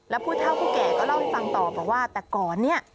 แล้วผู้เท่าผู้แก่ก็เล่าให้ฟังต่อบอกว่าแต่ก่อนเนี่ย